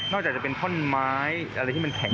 จากจะเป็นท่อนไม้อะไรที่มันแข็ง